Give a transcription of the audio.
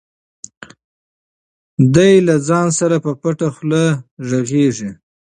دی له ځان سره په پټه خوله غږېږي.